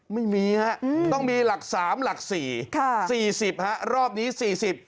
ไม่มีฮะอืมต้องมีหลักสามหลักสี่ค่ะสี่สิบฮะรอบนี้สี่สิบ